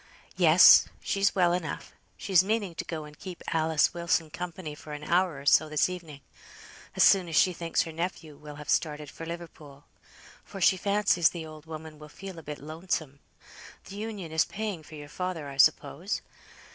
"Yes, she's well enough. She's meaning to go and keep Alice Wilson company for an hour or so this evening; as soon as she thinks her nephew will have started for Liverpool; for she fancies the old woman will feel a bit lonesome. Th' Union is paying for your father, I suppose?"